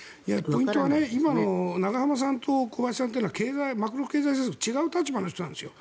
ポイントは今の永濱さんと小林さんはマクロ経済政策で違う立場の人なんですよ。